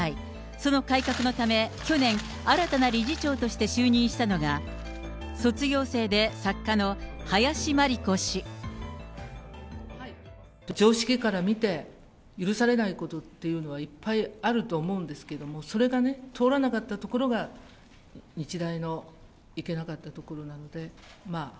その改革のため、去年、新たな理事長として就任したのが、常識から見て、許されないことっていうのはいっぱいあると思うんですけど、それがね、通らなかったところが日大のいけなかったところなので。